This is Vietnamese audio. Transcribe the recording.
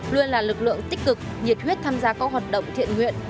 luôn là lực lượng tích cực nhiệt huyết tham gia các hoạt động thiện nguyện